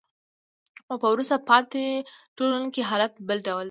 خو په وروسته پاتې ټولنو کې حالت بل ډول دی.